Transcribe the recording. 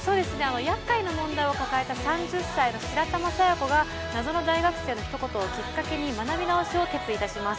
やっかいな問題を抱えた３０歳の白玉佐弥子が謎の大学生のひと言をきっかけに学び直しを決意いたします。